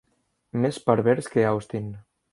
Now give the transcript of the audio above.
Més pervers que Austin.